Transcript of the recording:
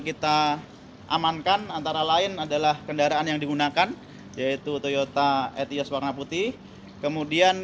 kita amankan antara lain adalah kendaraan yang digunakan yaitu toyota etias warna putih kemudian